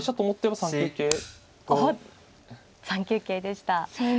おっ３九桂でした。